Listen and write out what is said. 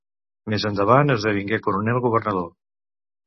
Més endavant esdevingué coronel governador.